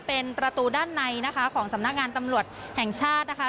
เป็นประตูด้านในนะคะของสำนักงานตำรวจแห่งชาตินะคะ